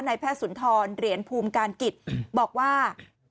แพทย์สุนทรเหรียญภูมิการกิจบอกว่า